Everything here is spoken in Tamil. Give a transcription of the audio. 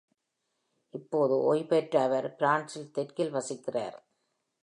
இப்போது ஓய்வு பெற்ற அவர் பிரான்சின் தெற்கில் வசிக்கிறார்.